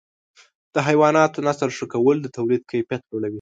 د حیواناتو نسل ښه کول د تولید کیفیت لوړوي.